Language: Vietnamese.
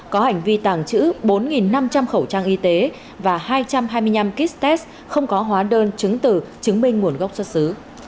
có hành vi tàng trữ bốn năm trăm linh khẩu trang y tế và hai trăm hai mươi năm kit test không có hóa đơn chứng từ chứng minh nguồn gốc xuất xứ